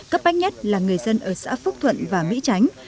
cấp bách nhất là người dân ở xã phúc thuận và mỹ tránh